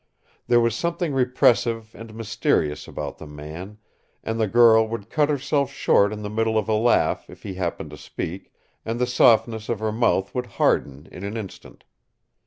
There was something repressive and mysterious about the man, and the girl would cut herself short in the middle of a laugh if he happened to speak, and the softness of her mouth would harden in an instant.